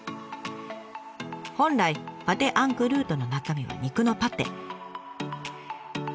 本来パテ・アンクルートの中身は肉のパテ。